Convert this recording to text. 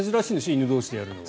犬同士でやるのは。